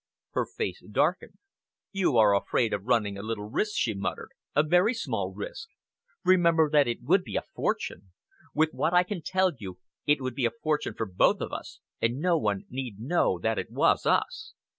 Her face darkened. "You are afraid of running a little risk," she muttered "a very small risk! Remember that it would be a fortune. With what I can tell you it would be a fortune for both of us, and no one need know that it was us."